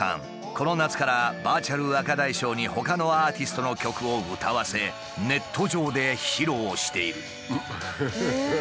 この夏からバーチャル若大将にほかのアーティストの曲を歌わせネット上で披露している。